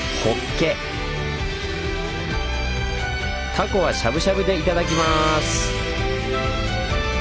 たこはしゃぶしゃぶでいただきます。